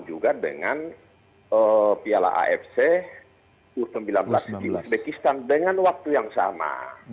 juga dengan piala afc u sembilan belas di uzbekistan dengan waktu yang sama